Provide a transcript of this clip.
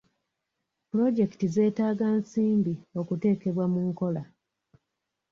Puloojekiti zeetaaga nsimbi okuteekebwa mu nkola.